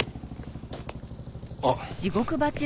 あっ。